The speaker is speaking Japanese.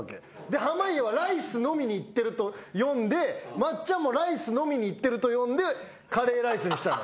濱家はライスのみにいってると読んで松ちゃんもライスのみにいってると読んでカレーライスにしたの。